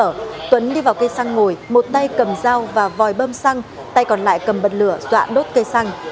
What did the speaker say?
trước đó tuấn đi vào cây xăng ngồi một tay cầm dao và vòi bơm xăng tay còn lại cầm bật lửa dọa đốt cây xăng